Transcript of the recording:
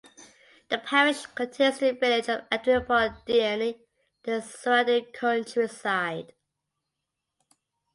The parish contains the village of Adwick upon Dearne and the surrounding countryside.